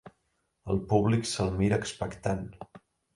El públic se'l mira expectant.